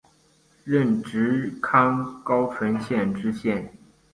任直隶高淳县知县。